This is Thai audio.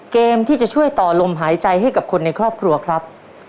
เกมที่จะช่วยต่อลมหายใจให้กับคนในครอบครัวครับ